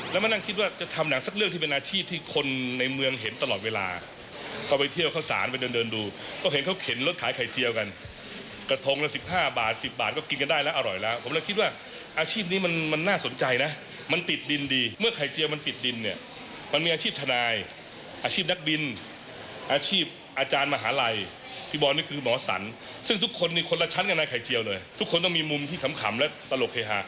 แล้วมันนั่งคิดว่าจะทำหนังสักเรื่องที่เป็นอาชีพที่คนในเมืองเห็นตลอดเวลาเขาไปเที่ยวเข้าสานไปเดินดูก็เห็นเขาเข็นรถขายไข่เจียวกันกระทงละ๑๕บาท๑๐บาทก็กินกันได้แล้วอร่อยแล้วผมจะคิดว่าอาชีพนี้มันน่าสนใจนะมันติดดินดีเมื่อไข่เจียวมันติดดินเนี่ยมันมีอาชีพธนายอาชีพนักบิ